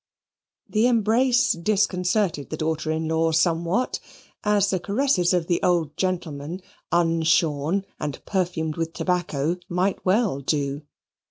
The embrace disconcerted the daughter in law somewhat, as the caresses of the old gentleman, unshorn and perfumed with tobacco, might well do.